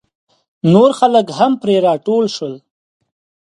نور خلک هم پرې راټول شول.